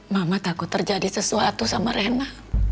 mama takut terjadi sesuatu sama rena